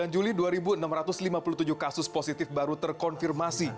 dua puluh juli dua enam ratus lima puluh tujuh kasus positif baru terkonfirmasi